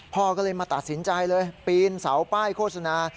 พ่อก็เลยมาตัดสินใจเลยปีนเสาป้ายโฆษณา